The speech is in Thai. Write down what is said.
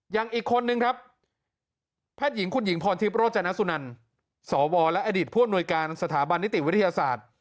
ยังอีกคนนึงครับแพทย์หญิงคุณหญิงพรทิพย์โรจนัสุนันสวและอดิษฐ์พนสถาบันนิติวิทยาศาสตร์